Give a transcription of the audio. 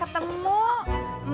kunci motornya udah ketemu